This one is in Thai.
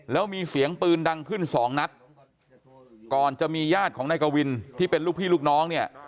แล้วมีเสียงปืนดังขึ้นสองนัดก่อนจะมีญาติของนายกวินที่เป็นลูกพี่ลูกน้องเนี่ย